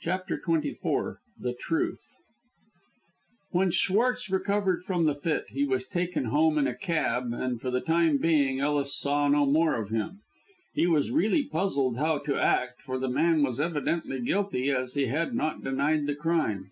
CHAPTER XXIV THE TRUTH When Schwartz recovered from the fit, he was taken home in a cab, and for the time being Ellis saw no more of him. He was really puzzled how to act, for the man was evidently guilty, as he had not denied the crime.